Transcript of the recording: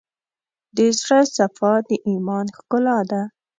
د زړه صفا، د ایمان ښکلا ده.